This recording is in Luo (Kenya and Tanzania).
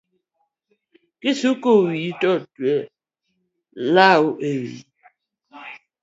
Ka isuko wiyi to twe law ewiyi